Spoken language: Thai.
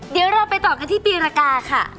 เดี๋ยวเราไปต่อกันที่ปีรกาค่ะ